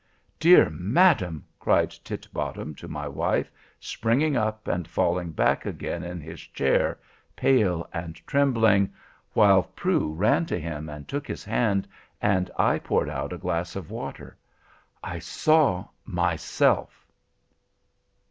"Dear madam," cried Titbottom, to my wife, springing up and falling back again in his chair, pale and trembling, while Prue ran to him and took his hand, and I poured out a glass of water—"I saw myself."